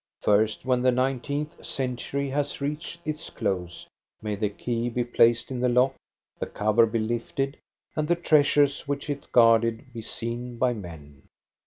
First, when the nineteenth century has reached its close, may the key be placed in the lock, the cover be lifted, and the treasures which it guarded be seen by men.